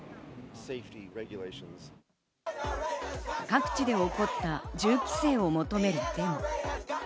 各地で起こった銃規制を求めるデモ。